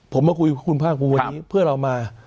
ผมมาคุยกับคุณภาคภูมิวันนี้เพื่อเรามา